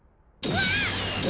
わっ！